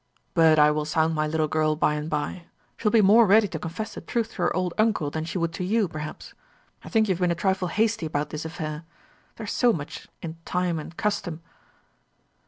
But I will sound my little girl by and by. She will be more ready to confess the truth to her old uncle than she would to you, perhaps. I think you have been a trifle hasty about this affair. There is so much in time and custom."